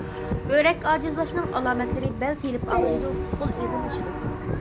بۆرەك ئاجىزلاشنىڭ ئالامەتلىرى: بەل تېلىپ ئاغرىيدۇ، پۇت-قول ئېغىرلىشىدۇ.